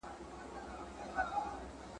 هغه د انصاف مانا عملي کړې وه.